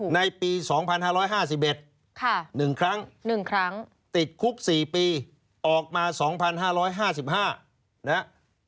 ในปี๒๕๕๑๑ครั้ง๑ครั้งติดคุก๔ปีออกมา๒๕๕๕นะฮะ